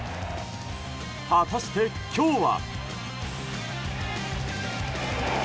果たして、今日は。